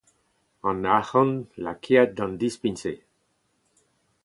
an arc'hant lakaet d'ar dispign-se